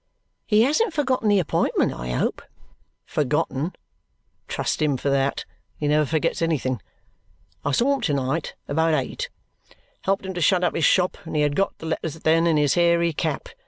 "He hasn't forgotten the appointment, I hope?" "Forgotten? Trust him for that. He never forgets anything. I saw him to night, about eight helped him to shut up his shop and he had got the letters then in his hairy cap.